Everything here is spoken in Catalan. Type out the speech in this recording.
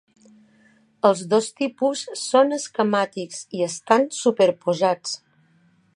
Els dos tipus són esquemàtics i estan superposats.